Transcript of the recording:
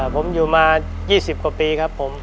ผมอยู่มา๒๐กว่าปีครับผม